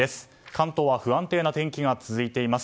関東は不安定な天気が続いています。